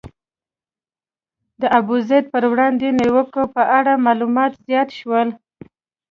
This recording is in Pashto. د ابوزید پر وړاندې د نیوکو په اړه معلومات زیات شول.